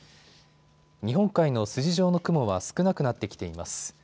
日本海の筋状の雲は少なくなってきています。